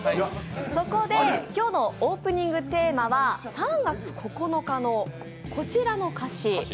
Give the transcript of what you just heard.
そこで今日のオープニングテーマは「３月９日」のこちらの歌詞。